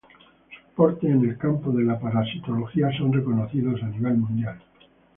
Sus portes en el campo de la parasitología son reconocidos a nivel mundial.